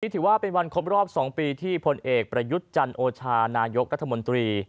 ถือว่าเป็นวันครบรอบ๒ปีที่พลเอกประยุทธ์จันโอชานายกรัฐมนตรี